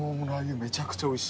めちゃくちゃおいしい。